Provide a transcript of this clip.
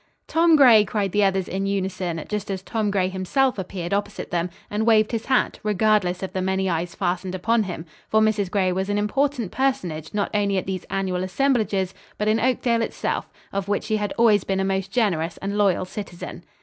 "Tom Gray!" cried the others in unison, just as Tom Gray himself appeared opposite them and waved his hat, regardless of the many eyes fastened upon him, for Mrs. Gray was an important personage not only at these annual assemblages, but in Oakdale itself, of which she had always been a most generous and loyal citizen.